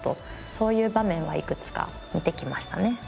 そういう場面はいくつか見てきましたね。